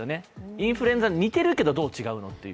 インフルエンザに似ているけど、どう違うのという。